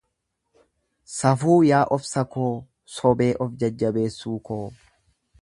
Safuu yaa obsa koo, sobee of jajjabeessu koo